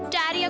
jam ya kan